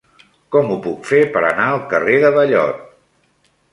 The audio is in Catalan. Com ho puc fer per anar al carrer de Ballot?